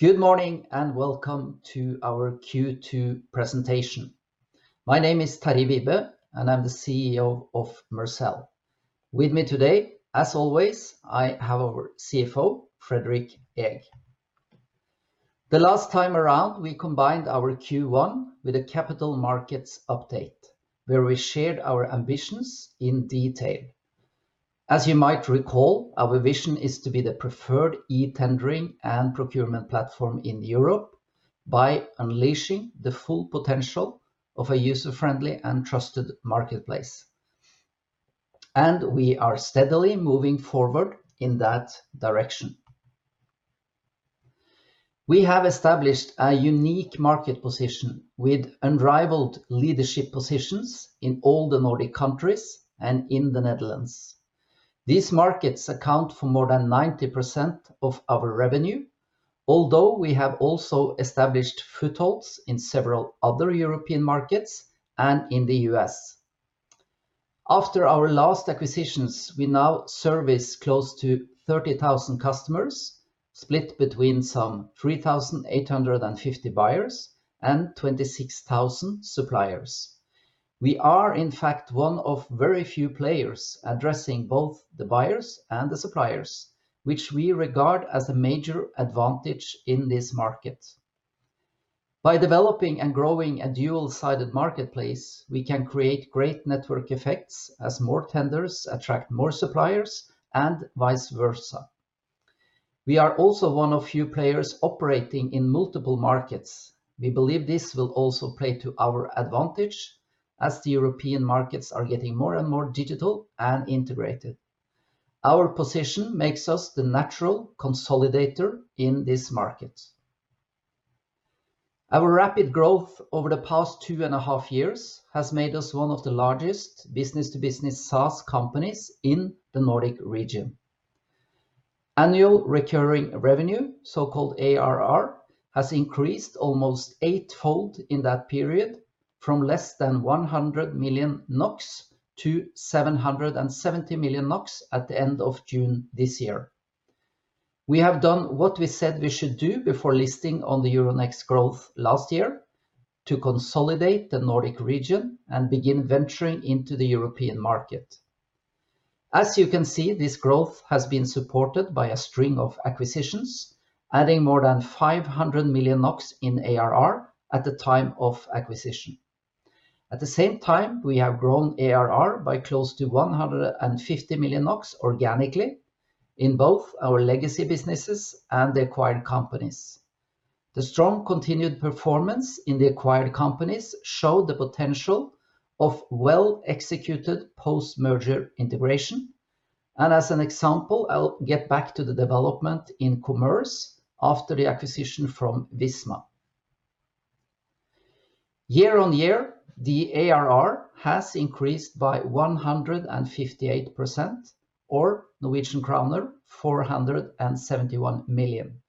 Good morning, welcome to our Q2 presentation. My name is Terje Wibe, I'm the CEO of Mercell. With me today, as always, I have our CFO, Fredrik Eeg. The last time around, we combined our Q1 with a capital markets update where we shared our ambitions in detail. As you might recall, our vision is to be the preferred e-tendering and procurement platform in Europe by unleashing the full potential of a user-friendly and trusted marketplace. We are steadily moving forward in that direction. We have established a unique market position with unrivaled leadership positions in all the Nordic countries and in the Netherlands. These markets account for more than 90% of our revenue, although we have also established footholds in several other European markets and in the U.S. After our last acquisitions, we now service close to 30,000 customers, split between some 3,850 buyers and 26,000 suppliers. We are, in fact, one of very few players addressing both the buyers and the suppliers, which we regard as a major advantage in this market. By developing and growing a dual-sided marketplace, we can create great network effects as more tenders attract more suppliers and vice versa. We are also one of few players operating in multiple markets. We believe this will also play to our advantage, as the European markets are getting more and more digital and integrated. Our position makes us the natural consolidator in this market. Our rapid growth over the past two and a half years has made us one of the largest business-to-business SaaS companies in the Nordic region. Annual recurring revenue, so-called ARR, has increased almost eightfold in that period, from less than 100 million NOK to 770 million NOK at the end of June this year. We have done what we said we should do before listing on the Euronext Growth last year to consolidate the Nordic region and begin venturing into the European market. As you can see, this growth has been supported by a string of acquisitions, adding more than 500 million NOK in ARR at the time of acquisition. At the same time, we have grown ARR by close to 150 million NOK organically in both our legacy businesses and the acquired companies. The strong continued performance in the acquired companies show the potential of well-executed post-merger integration, and as an example, I'll get back to the development in Visma Commerce after the acquisition from Visma. Year on year, the ARR has increased by 158%, or Norwegian kroner 471 million.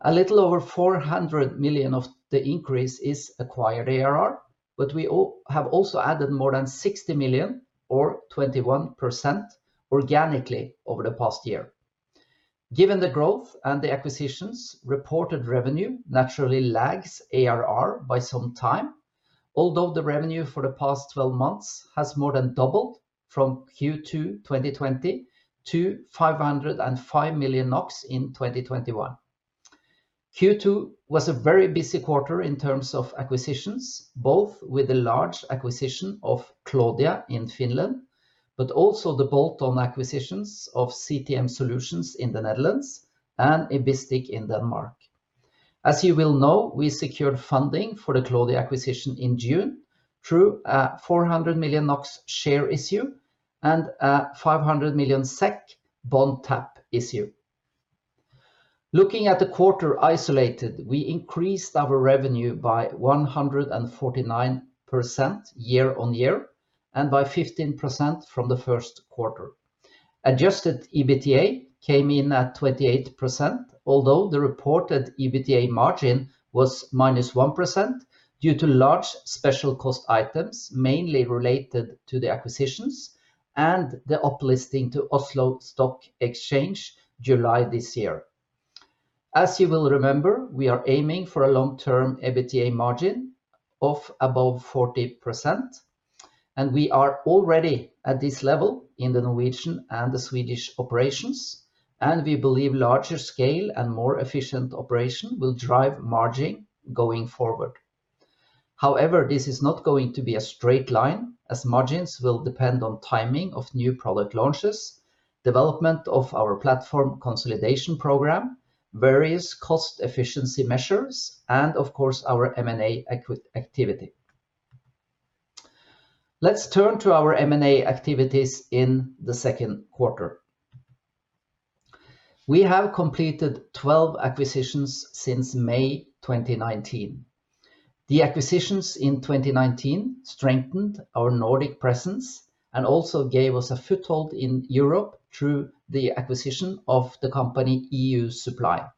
A little over 400 million of the increase is acquired ARR, but we have also added more than 60 million, or 21%, organically over the past year. Given the growth and the acquisitions, reported revenue naturally lags ARR by some time, although the revenue for the past 12 months has more than doubled from Q2 2020 to 505 million NOK in 2021. Q2 was a very busy quarter in terms of acquisitions, both with the large acquisition of Cloudia in Finland, but also the bolt-on acquisitions of CTM Solutions in the Netherlands and Ibistic in Denmark. As you will know, we secured funding for the Cloudia acquisition in June through a 400 million NOK share issue and a 500 million SEK bond tap issue. Looking at the quarter isolated, we increased our revenue by 149% year-on-year and by 15% from the first quarter. Adjusted EBITDA came in at 28%, although the reported EBITDA margin was -1% due to large special cost items, mainly related to the acquisitions and the uplisting to Oslo Stock Exchange July this year. As you will remember, we are aiming for a long-term EBITDA margin of above 40%, and we are already at this level in the Norwegian and the Swedish operations, and we believe larger scale and more efficient operation will drive margin going forward. However, this is not going to be a straight line, as margins will depend on timing of new product launches, development of our platform consolidation program, various cost efficiency measures, and of course, our M&A activity. Let's turn to our M&A activities in the second quarter. We have completed 12 acquisitions since May 2019. The acquisitions in 2019 strengthened our Nordic presence and also gave us a foothold in Europe through the acquisition of the company EU Supply.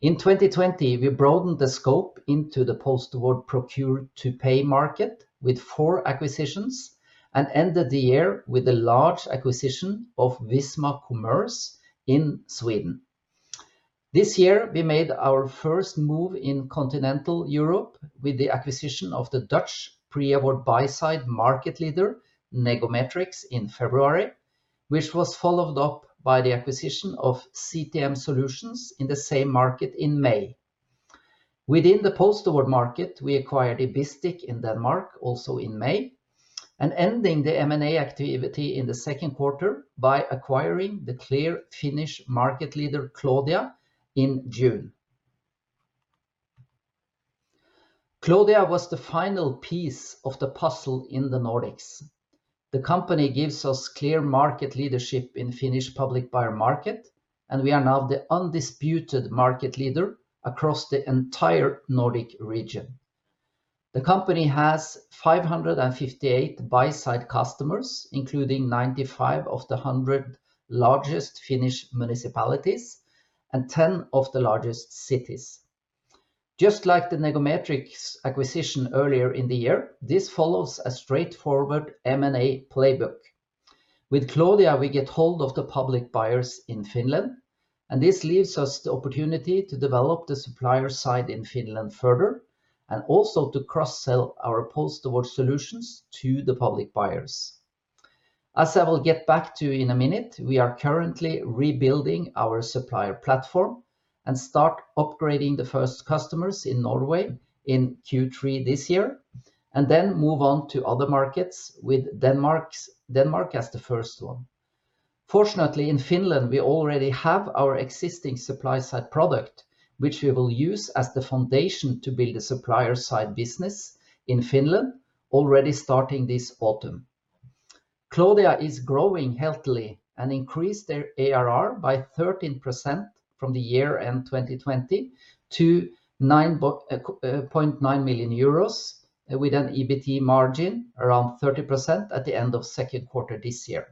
In 2020, we broadened the scope into the post-award procure-to-pay market with four acquisitions and ended the year with the large acquisition of Visma Commerce in Sweden. This year, we made our first move in continental Europe with the acquisition of the Dutch pre-award buy-side market leader, Negometrix, in February, which was followed up by the acquisition of CTM Solutions in the same market in May. Within the post-award market, we acquired Ibistic in Denmark, also in May, and ending the M&A activity in the 2nd quarter by acquiring the clear Finnish market leader, Cloudia, in June. Cloudia was the final piece of the puzzle in the Nordics. The company gives us clear market leadership in Finnish public buyer market, and we are now the undisputed market leader across the entire Nordic region. The company has 558 buy-side customers, including 95 of the 100 largest Finnish municipalities and 10 of the largest cities. Just like the Negometrix acquisition earlier in the year, this follows a straightforward M&A playbook. With Cloudia, we get hold of the public buyers in Finland, and this leaves us the opportunity to develop the supplier side in Finland further, and also to cross-sell our post-award solutions to the public buyers. As I will get back to in a minute, we are currently rebuilding our supplier platform and start upgrading the first customers in Norway in Q3 this year, and then move on to other markets with Denmark as the first one. Fortunately, in Finland, we already have our existing supply-side product, which we will use as the foundation to build a supplier-side business in Finland already starting this autumn. Cloudia is growing healthily and increased their ARR by 13% from the year-end 2020 to 9.9 million euros, with an EBT margin around 30% at the end of second quarter this year.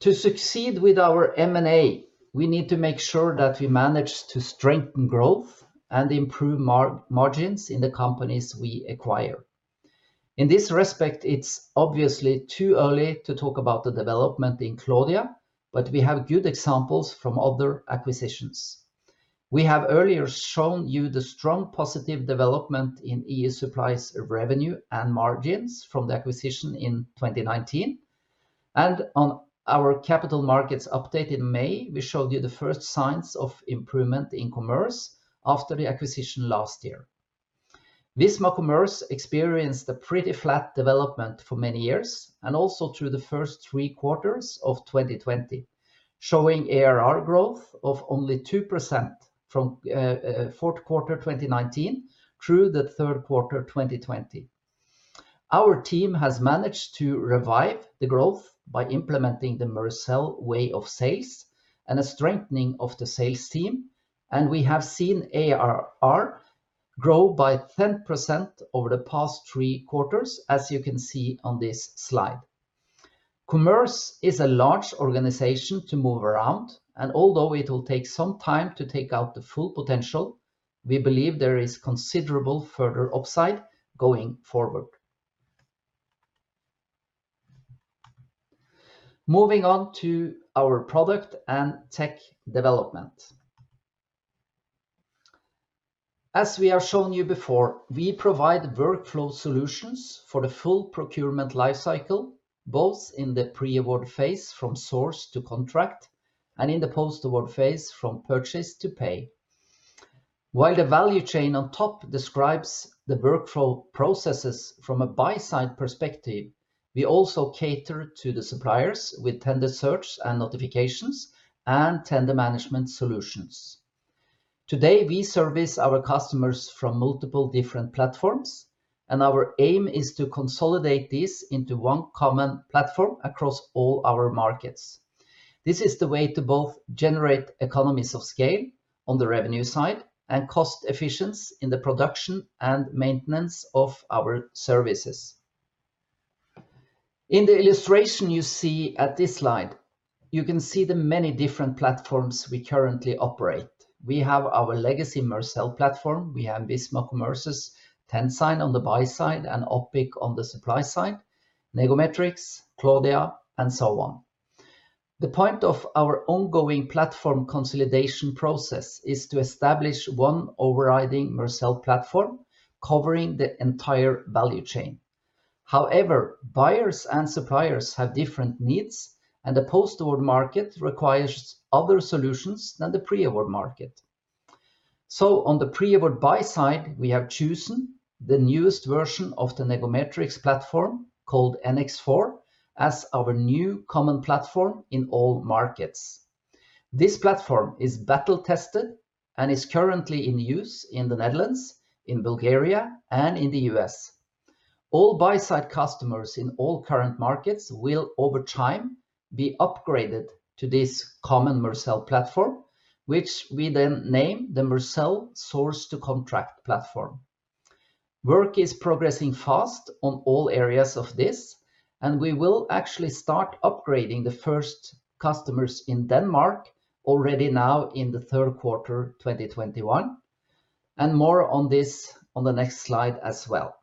To succeed with our M&A, we need to make sure that we manage to strengthen growth and improve margins in the companies we acquire. In this respect, it's obviously too early to talk about the development in Cloudia, but we have good examples from other acquisitions. We have earlier shown you the strong positive development in EU Supply's revenue and margins from the acquisition in 2019, and on our capital markets update in May, we showed you the first signs of improvement in Commerce after the acquisition last year. Visma Commerce experienced a pretty flat development for many years, and also through the first three quarters of 2020, showing ARR growth of only 2% from fourth quarter 2019 through the third quarter 2020. Our team has managed to revive the growth by implementing the Mercell way of sales and a strengthening of the sales team, and we have seen ARR grow by 10% over the past three quarters, as you can see on this slide. Commerce is a large organization to move around, and although it will take some time to take out the full potential, we believe there is considerable further upside going forward. Moving on to our product and tech development. As we have shown you before, we provide workflow solutions for the full procurement life cycle, both in the pre-award phase from source-to-contract and in the post-award phase from purchase to pay. While the value chain on top describes the workflow processes from a buy-side perspective, we also cater to the suppliers with tender search and notifications and tender management solutions. Today, we service our customers from multiple different platforms, and our aim is to consolidate this into one common platform across all our markets. This is the way to both generate economies of scale on the revenue side and cost efficiency in the production and maintenance of our services. In the illustration you see at this slide, you can see the many different platforms we currently operate. We have our legacy Mercell platform, we have Visma Commerce's TendSign on the buy side and Opic on the supply side, Negometrix, Cloudia, and so on. The point of our ongoing platform consolidation process is to establish one overriding Mercell platform covering the entire value chain. Buyers and suppliers have different needs, and the post-award market requires other solutions than the pre-award market. On the pre-award buy side, we have chosen the newest version of the Negometrix platform, called NX4, as our new common platform in all markets. This platform is battle-tested and is currently in use in the Netherlands, in Bulgaria, and in the U.S. All buy-side customers in all current markets will, over time, be upgraded to this common Mercell platform, which we then name the Mercell Source-to-Contract platform. Work is progressing fast on all areas of this. We will actually start upgrading the first customers in Denmark already now in the third quarter 2021. More on this on the next slide as well.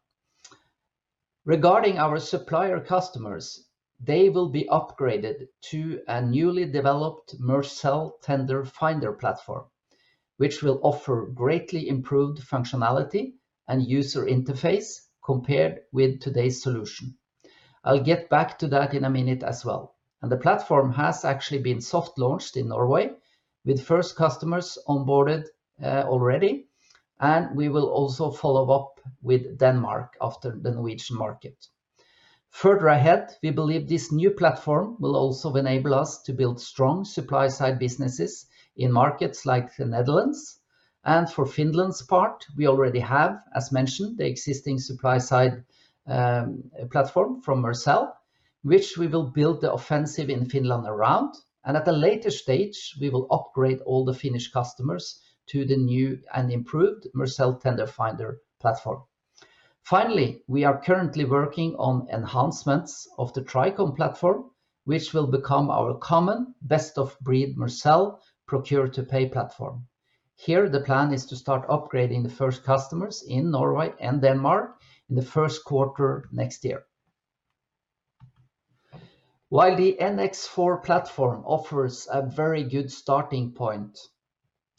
Regarding our supplier customers, they will be upgraded to a newly developed Mercell Tender finder platform, which will offer greatly improved functionality and user interface compared with today's solution. I'll get back to that in a minute as well. The platform has actually been soft-launched in Norway with first customers onboarded already. We will also follow up with Denmark after the Norwegian market. Further ahead, we believe this new platform will also enable us to build strong supply-side businesses in markets like the Netherlands. For Finland's part, we already have, as mentioned, the existing supply-side platform from Mercell, which we will build the offensive in Finland around, and at a later stage, we will upgrade all the Finnish customers to the new and improved Mercell Tender finder platform. Finally, we are currently working on enhancements of the Tricom platform, which will become our common best-of-breed Mercell procure-to-pay platform. Here, the plan is to start upgrading the first customers in Norway and Denmark in the first quarter next year. While the NX4 platform offers a very good starting point,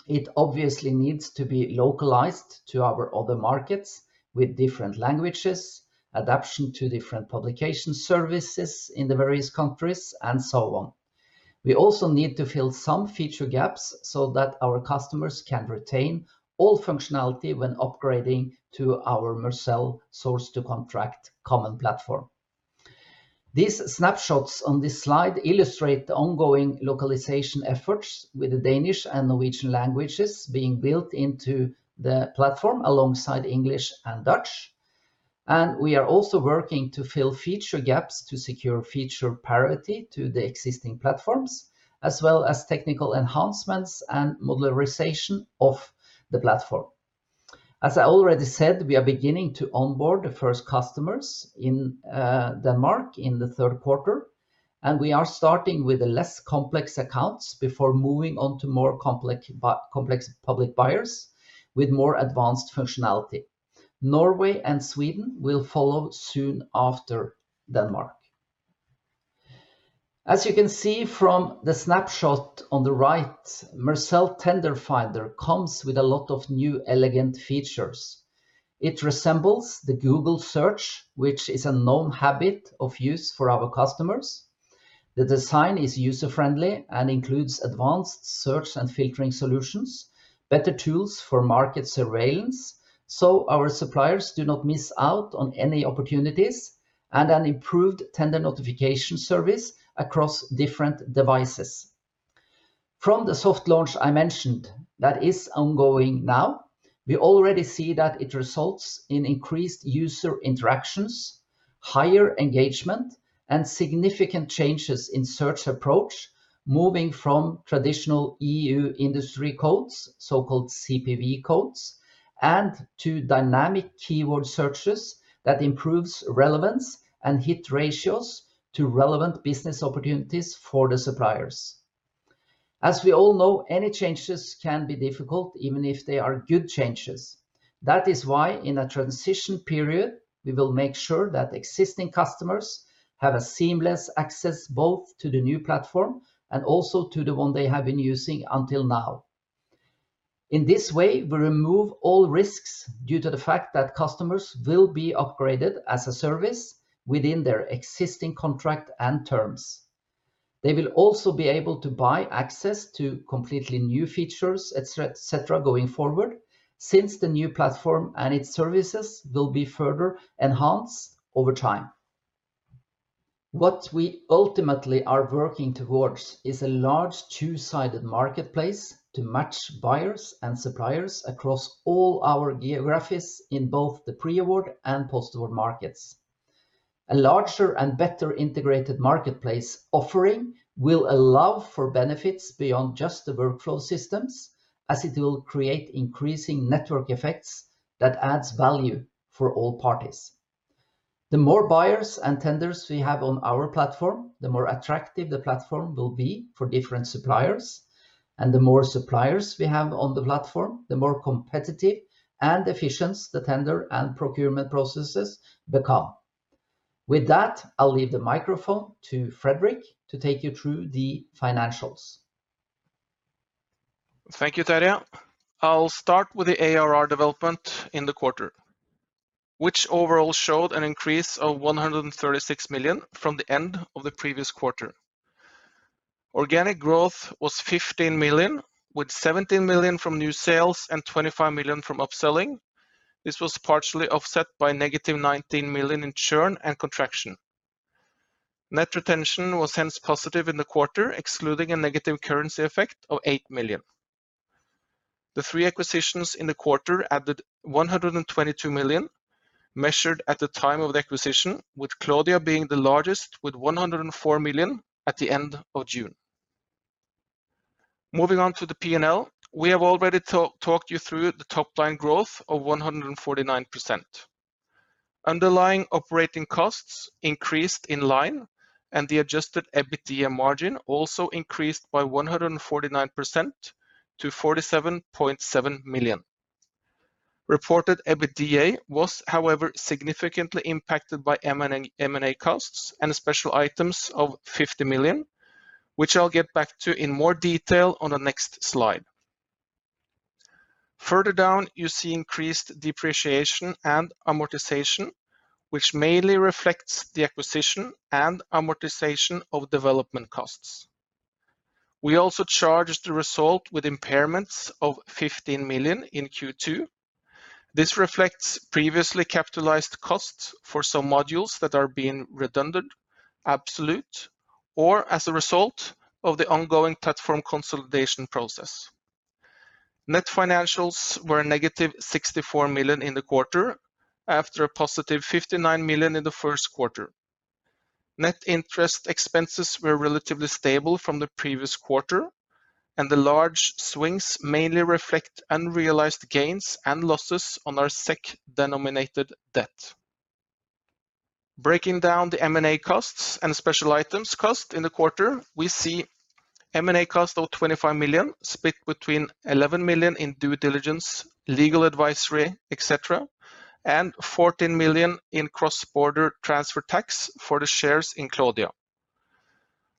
it obviously needs to be localized to our other markets with different languages, adaptation to different publication services in the various countries, and so on. We also need to fill some feature gaps so that our customers can retain all functionality when upgrading to our Mercell source-to-contract common platform. These snapshots on this slide illustrate the ongoing localization efforts with the Danish and Norwegian languages being built into the platform alongside English and Dutch. We are also working to fill feature gaps to secure feature parity to the existing platforms, as well as technical enhancements and modularization of the platform. As I already said, we are beginning to onboard the first customers in Denmark in the third quarter, and we are starting with the less complex accounts before moving on to more complex public buyers with more advanced functionality. Norway and Sweden will follow soon after Denmark. As you can see from the snapshot on the right, Mercell Tender finder comes with a lot of new elegant features. It resembles the Google search, which is a known habit of use for our customers. The design is user-friendly and includes advanced search and filtering solutions, better tools for market surveillance, so our suppliers do not miss out on any opportunities, and an improved tender notification service across different devices. From the soft launch I mentioned that is ongoing now, we already see that it results in increased user interactions, higher engagement, and significant changes in search approach, moving from traditional EU industry codes, so-called CPV codes, and to dynamic keyword searches that improves relevance and hit ratios to relevant business opportunities for the suppliers. As we all know, any changes can be difficult even if they are good changes. That is why in a transition period, we will make sure that existing customers have a seamless access both to the new platform and also to the one they have been using until now. In this way, we remove all risks due to the fact that customers will be upgraded as a service within their existing contract and terms. They will also be able to buy access to completely new features, et cetera, going forward, since the new platform and its services will be further enhanced over time. What we ultimately are working towards is a large two-sided marketplace to match buyers and suppliers across all our geographies in both the pre-award and post-award markets. A larger and better integrated marketplace offering will allow for benefits beyond just the workflow systems as it will create increasing network effects that adds value for all parties. The more buyers and tenders we have on our platform, the more attractive the platform will be for different suppliers. And the more suppliers we have on the platform, the more competitive and efficient the tender and procurement processes become. With that, I'll leave the microphone to Fredrik to take you through the financials. Thank you, Terje. I'll start with the ARR development in the quarter, which overall showed an increase of 136 million from the end of the previous quarter. Organic growth was 15 million, with 17 million from new sales and 25 million from upselling. This was partially offset by -19 million in churn and contraction. Net retention was hence positive in the quarter, excluding a negative currency effect of 8 million. The three acquisitions in the quarter added 122 million, measured at the time of the acquisition, with Cloudia being the largest with 104 million at the end of June. Moving on to the P&L. We have already talked you through the top-line growth of 149%. Underlying operating costs increased in line, and the adjusted EBITDA margin also increased by 149% to 47.7 million. Reported EBITDA was however significantly impacted by M&A costs and special items of 50 million, which I'll get back to in more detail on the next slide. Further down, you see increased depreciation and amortization, which mainly reflects the acquisition and amortization of development costs. We also charged the result with impairments of 15 million in Q2. This reflects previously capitalized costs for some modules that are being redundant, obsolete, or as a result of the ongoing platform consolidation process. Net financials were a -64 million in the quarter after a +59 million in the first quarter. Net interest expenses were relatively stable from the previous quarter, and the large swings mainly reflect unrealized gains and losses on our SEK-denominated debt. Breaking down the M&A costs and special items cost in the quarter, we see M&A cost of 25 million split between 11 million in due diligence, legal advisory, et cetera, and 14 million in cross-border transfer tax for the shares in Cloudia.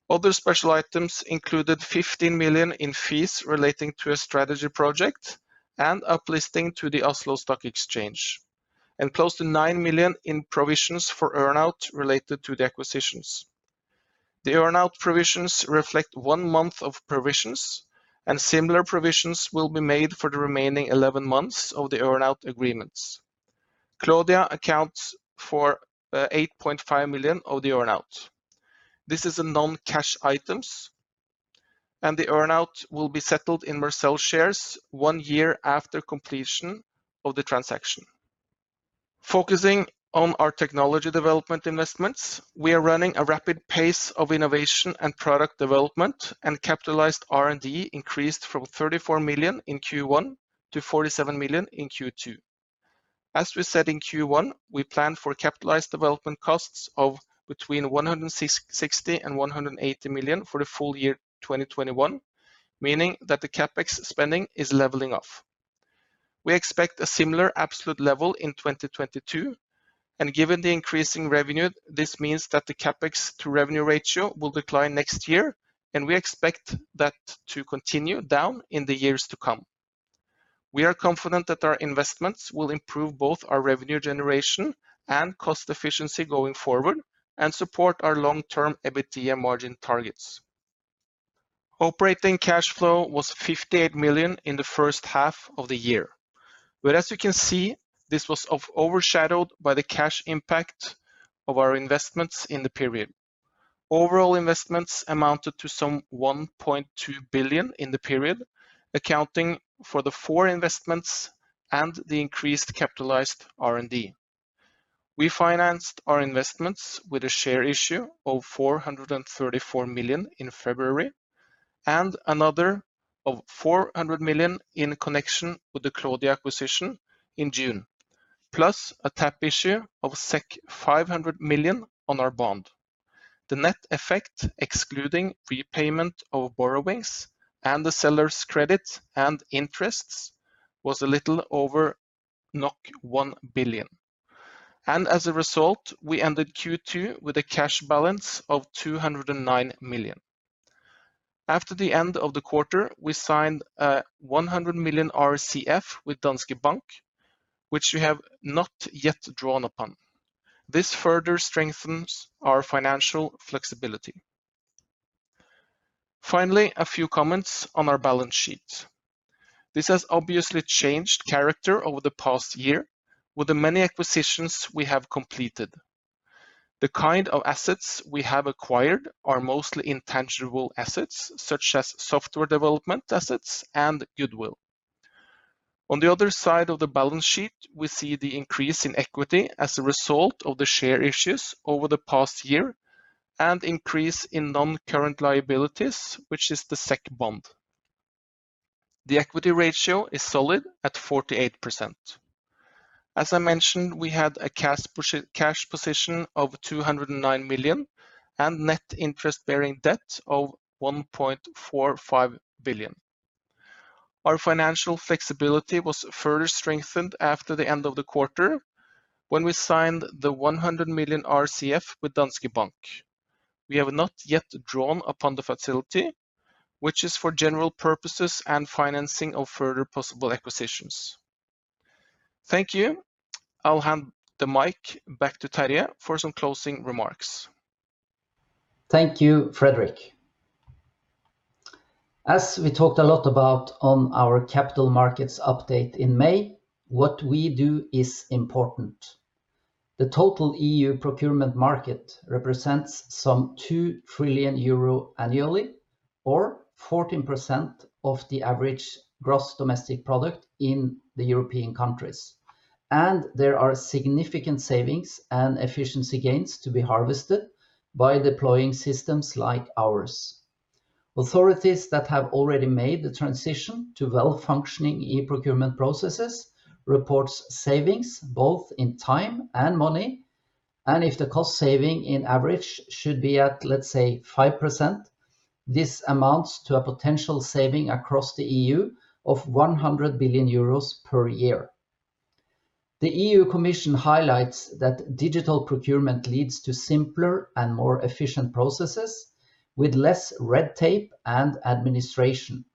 Other special items included 15 million in fees relating to a strategy project and uplisting to the Oslo Stock Exchange, and close to 9 million in provisions for earn-out related to the acquisitions. The earn-out provisions reflect one month of provisions, and similar provisions will be made for the remaining 11 months of the earn-out agreements. Cloudia accounts for 8.5 million of the earn-out. This is a non-cash items, the earn-out will be settled in Mercell shares one year after completion of the transaction. Focusing on our technology development investments, we are running a rapid pace of innovation and product development, and capitalized R&D increased from 34 million in Q1 to 47 million in Q2. As we said in Q1, we plan for capitalized development costs of between 160 million and 180 million for the full year 2021, meaning that the CapEx spending is leveling off. We expect a similar absolute level in 2022, and given the increase in revenue, this means that the CapEx to revenue ratio will decline next year, and we expect that to continue down in the years to come. We are confident that our investments will improve both our revenue generation and cost efficiency going forward and support our long-term EBITDA margin targets. Operating cash flow was 58 million in the first half of the year. As you can see, this was overshadowed by the cash impact of our investments in the period. Overall investments amounted to some 1.2 billion in the period, accounting for the four investments and the increased capitalized R&D. We financed our investments with a share issue of 434 million in February and another of 400 million in connection with the Cloudia acquisition in June, plus a tap issue of 500 million on our bond. The net effect, excluding prepayment of borrowings and the seller's credit and interests, was a little over 1 billion. As a result, we ended Q2 with a cash balance of 209 million. After the end of the quarter, we signed a 100 million RCF with Danske Bank, which we have not yet drawn upon. This further strengthens our financial flexibility. Finally, a few comments on our balance sheet. This has obviously changed character over the past year with the many acquisitions we have completed. The kind of assets we have acquired are mostly intangible assets such as software development assets and goodwill. On the other side of the balance sheet, we see the increase in equity as a result of the share issues over the past year and increase in non-current liabilities, which is the SEK bond. The equity ratio is solid at 48%. As I mentioned, we had a cash position of 209 million and net interest-bearing debt of 1.45 billion. Our financial flexibility was further strengthened after the end of the quarter when we signed the 100 million RCF with Danske Bank. We have not yet drawn upon the facility, which is for general purposes and financing of further possible acquisitions. Thank you. I'll hand the mic back to Terje for some closing remarks. Thank you, Fredrik. As we talked a lot about on our capital markets update in May, what we do is important. The total EU procurement market represents some 2 trillion euro annually, or 14% of the average gross domestic product in the European countries. There are significant savings and efficiency gains to be harvested by deploying systems like ours. Authorities that have already made the transition to well-functioning e-procurement processes report savings both in time and money. If the cost saving in average should be at, let's say, 5%, this amounts to a potential saving across the EU of 100 billion euros per year. The EU Commission highlights that digital procurement leads to simpler and more efficient processes with less red tape and administration.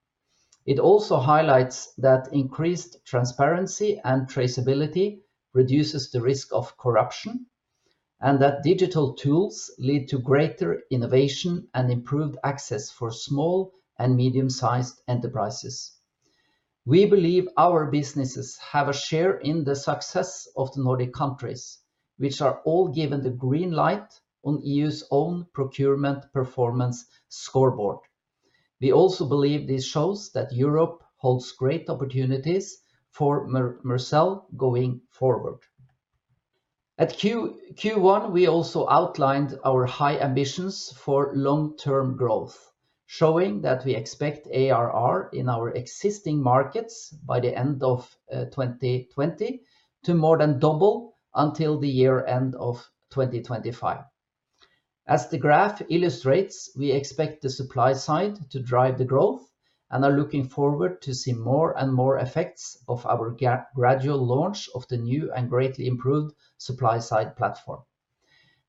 It also highlights that increased transparency and traceability reduces the risk of corruption, and that digital tools lead to greater innovation and improved access for small and medium-sized enterprises. We believe our businesses have a share in the success of the Nordic countries, which are all given the green light on EU's own procurement performance scoreboard. We also believe this shows that Europe holds great opportunities for Mercell going forward. At Q1, we also outlined our high ambitions for long-term growth, showing that we expect ARR in our existing markets by the end of 2020 to more than double until the year end of 2025. As the graph illustrates, we expect the supply side to drive the growth and are looking forward to see more and more effects of our gradual launch of the new and greatly improved supply side platform.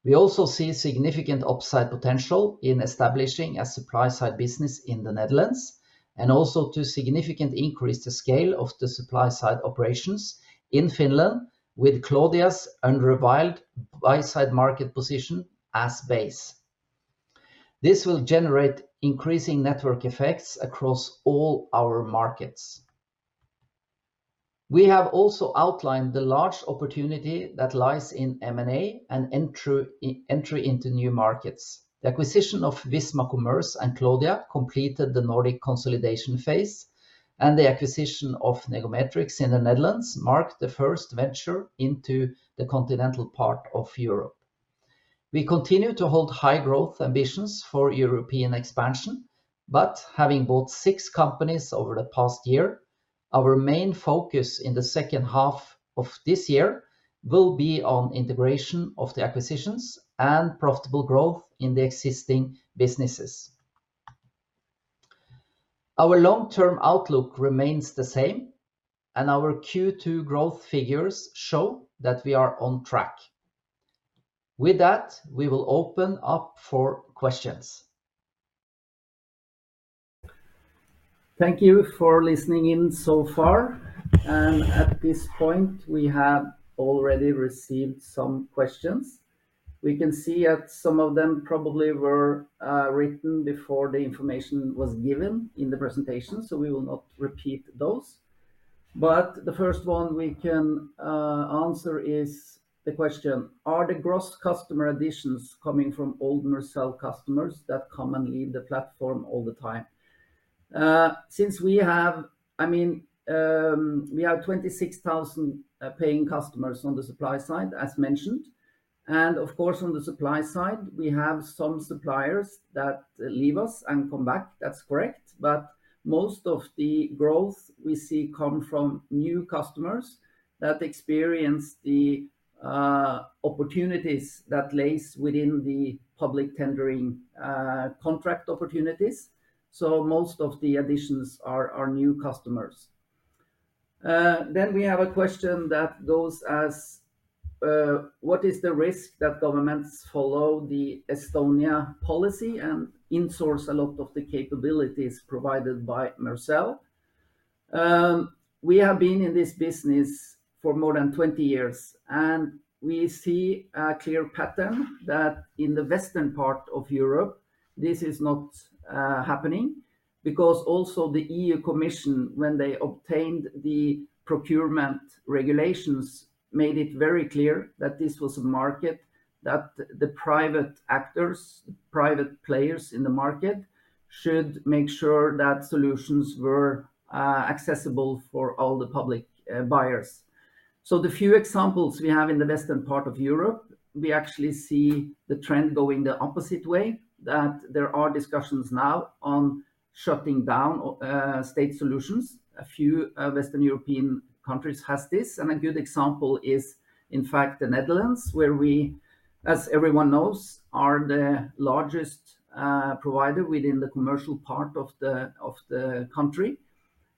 We also see significant upside potential in establishing a supply side business in the Netherlands, and also to significantly increase the scale of the supply side operations in Finland with Cloudia's unrivaled buy-side market position as base. This will generate increasing network effects across all our markets. We have also outlined the large opportunity that lies in M&A and entry into new markets. The acquisition of Visma Commerce and Cloudia completed the Nordic consolidation phase, and the acquisition of Negometrix in the Netherlands marked the first venture into the continental part of Europe. We continue to hold high growth ambitions for European expansion, but having bought six companies over the past year, our main focus in the second half of this year will be on integration of the acquisitions and profitable growth in the existing businesses. Our long-term outlook remains the same, and our Q2 growth figures show that we are on track. With that, we will open up for questions. Thank you for listening in so far. At this point, we have already received some questions. We can see that some of them probably were written before the information was given in the presentation, so we will not repeat those. The first one we can answer is the question: Are the gross customer additions coming from old Mercell customers that come and leave the platform all the time? Since we have 26,000 paying customers on the supply side, as mentioned, and of course, on the supply side, we have some suppliers that leave us and come back. That's correct. Most of the growth we see come from new customers that experience the opportunities that lies within the public tendering contract opportunities. Most of the additions are new customers. We have a question that goes as: What is the risk that governments follow the Estonia policy and insource a lot of the capabilities provided by Mercell? We have been in this business for more than 20 years, and we see a clear pattern that in the Western part of Europe, this is not happening. Also the EU Commission, when they obtained the procurement regulations, made it very clear that this was a market, that the private actors, private players in the market should make sure that solutions were accessible for all the public buyers. The few examples we have in the Western part of Europe, we actually see the trend going the opposite way, that there are discussions now on shutting down state solutions. A few Western European countries has this, a good example is, in fact, the Netherlands, where we, as everyone knows, are the largest provider within the commercial part of the country.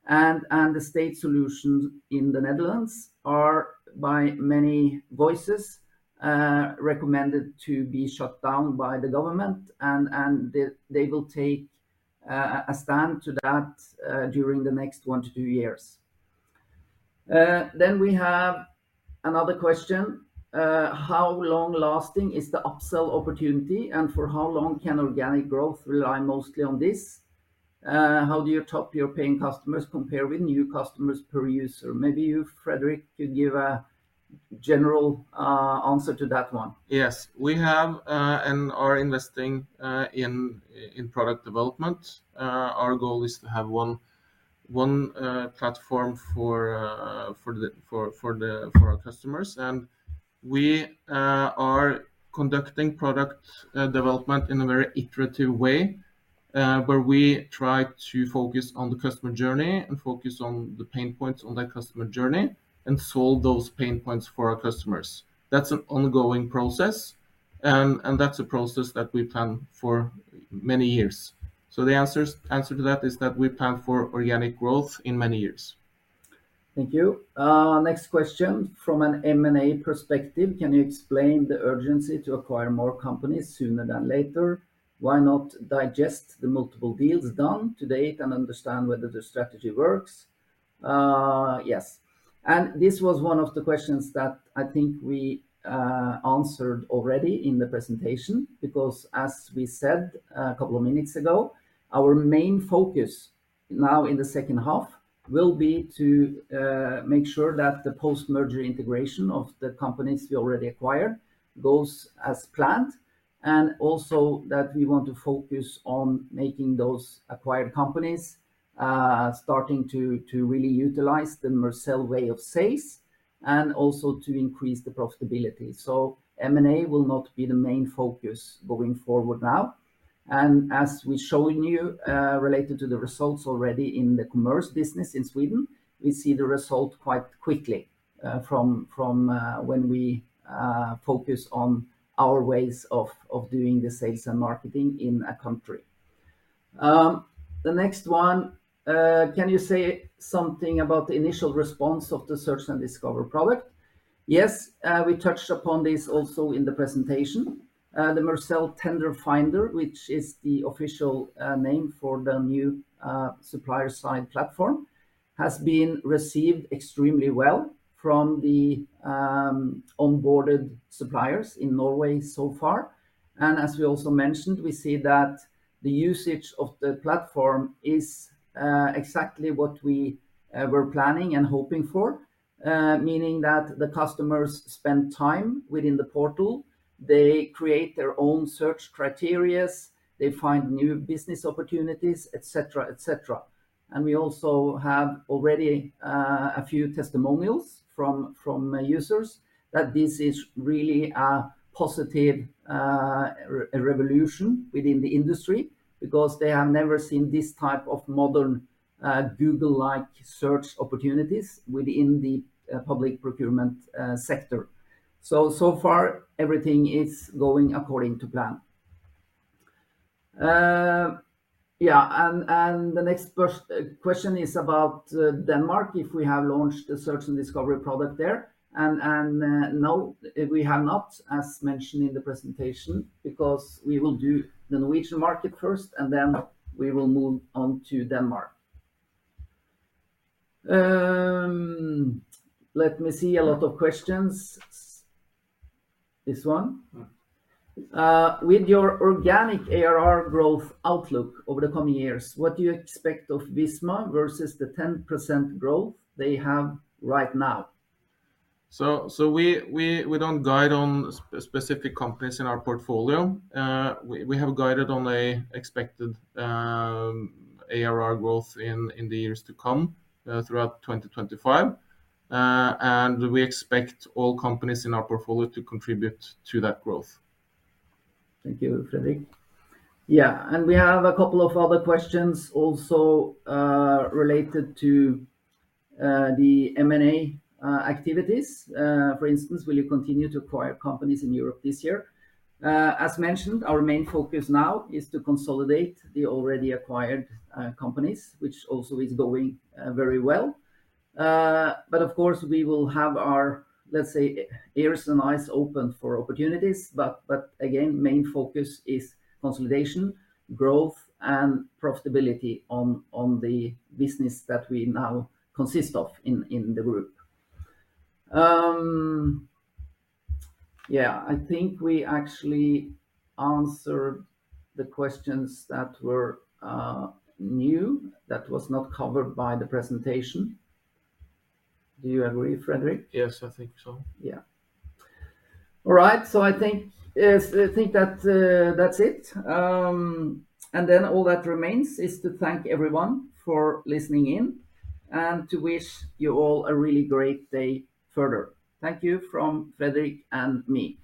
The state solutions in the Netherlands are, by many voices, recommended to be shut down by the government, and they will take a stand to that during the next one to two years. We have another question. How long-lasting is the upsell opportunity, and for how long can organic growth rely mostly on this? How do you top your paying customers compare with new customers per user? Maybe you, Fredrik, could give a general answer to that one. Yes. We have and are investing in product development. Our goal is to have one platform for our customers. We are conducting product development in a very iterative way where we try to focus on the customer journey and focus on the pain points on that customer journey and solve those pain points for our customers. That's an ongoing process. That's a process that we plan for many years. The answer to that is that we plan for organic growth in many years. Thank you. Next question. From an M&A perspective, can you explain the urgency to acquire more companies sooner than later? Why not digest the multiple deals done to date and understand whether the strategy works? Yes. This was one of the questions that I think we answered already in the presentation because as we said a couple of minutes ago, our main focus now in the second half will be to make sure that the post-merger integration of the companies we already acquired goes as planned, and also that we want to focus on making those acquired companies starting to really utilize the Mercell way of sales, and also to increase the profitability. M&A will not be the main focus going forward now. As we’ve shown you, related to the results already in the commerce business in Sweden, we see the result quite quickly from when we focus on our ways of doing the sales and marketing in a country. The next one, can you say something about the initial response of the search and discover product? We touched upon this also in the presentation. The Mercell Tender finder, which is the official name for the new supplier-side platform, has been received extremely well from the onboarded suppliers in Norway so far. As we also mentioned, we see that the usage of the platform is exactly what we were planning and hoping for, meaning that the customers spend time within the portal, they create their own search criteria, they find new business opportunities, et cetera. We also have already a few testimonials from users that this is really a positive revolution within the industry because they have never seen this type of modern Google-like search opportunities within the public procurement sector. So far everything is going according to plan. The next question is about Denmark, if we have launched the search and discovery product there. No, we have not, as mentioned in the presentation, because we will do the Norwegian market first, and then we will move on to Denmark. Let me see. A lot of questions. This one. With your organic ARR growth outlook over the coming years, what do you expect of Visma versus the 10% growth they have right now? We don't guide on specific companies in our portfolio. We have guided on an expected ARR growth in the years to come, throughout 2025. We expect all companies in our portfolio to contribute to that growth. Thank you, Fredrik. Yeah. We have a couple of other questions also related to the M&A activities. For instance, will you continue to acquire companies in Europe this year? As mentioned, our main focus now is to consolidate the already acquired companies, which also is going very well. Of course, we will have our, let's say, ears and eyes open for opportunities. Again, main focus is consolidation, growth, and profitability on the business that we now consist of in the group. I think we actually answered the questions that were new, that was not covered by the presentation. Do you agree, Fredrik? Yes, I think so. Yeah. All right. I think that's it. All that remains is to thank everyone for listening in and to wish you all a really great day further. Thank you from Fredrik and me.